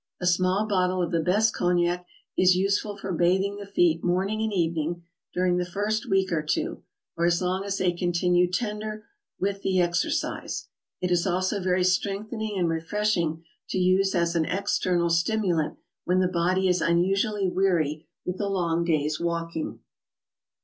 A small bottle of the best Cognac is useful for bathing the feet morning and evening during the first week or two, or as long as they continue tender with the exercise. It is also very strengthening and refreshing to use as an external stimulant when the body is unusually weary with a long day's walking.